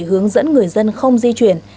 hướng dẫn người dân không di chuyển